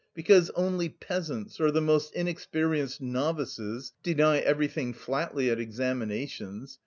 "Because only peasants, or the most inexperienced novices deny everything flatly at examinations.